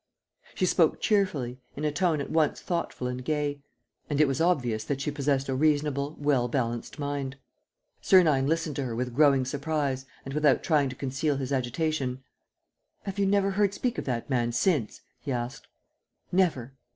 She spoke cheerfully, in a tone at once thoughtful and gay, and it was obvious that she possessed a reasonable, well balanced mind. Sernine listened to her with growing surprise and without trying to conceal his agitation: "Have you never heard speak of that man since?" he asked. "Never."